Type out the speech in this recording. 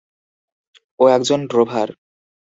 ও একজন ড্রোভার।